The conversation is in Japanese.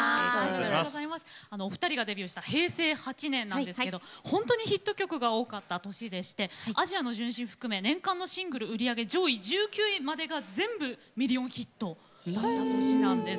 お二人デビューしたのが平成８年のことなんですけどこの年、本当にヒット曲が多い年でして「アジアの純真」を含めて年間のシングル売り上げ上位１９位まですべてミリオンヒットだった年なんです。